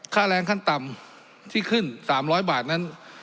ค่าแรงขั้นต่ำที่ขึ้น๓๐๐บาทนั้น